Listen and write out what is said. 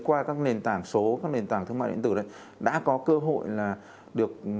qua các nền tảng số các nền tảng thương mại điện tử đấy đã có cơ hội là được